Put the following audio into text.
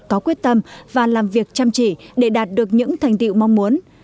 có quyết tâm và làm việc chăm chỉ để đạt được những thành tiệu mong muốn